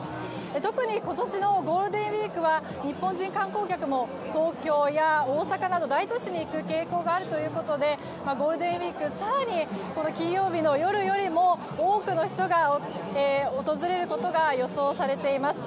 特に今年のゴールデンウィークは日本人観光客も東京や大阪など大都市に行く傾向があるということでゴールデンウィーク更に、金曜日の夜よりも多くの人が訪れることが予想されています。